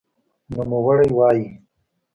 نوموړی وايي